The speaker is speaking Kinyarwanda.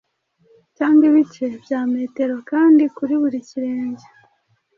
cyangwa ibice bya metero, kandi kuri buri kirenge